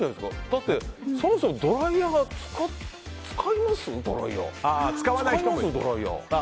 だって、そもそもドライヤーは使います？